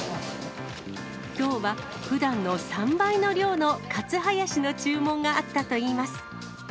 きょうはふだんの３倍の量のカツハヤシの注文があったといいます。